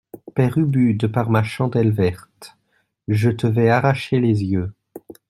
Père Ubu De par ma chandelle verte, je te vais arracher les yeux.